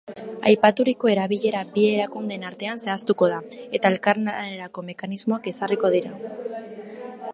Aipaturiko erabilera bi erakundeen artean zehaztuko da, eta elkarlanerako mekanismoak ezarriko dira.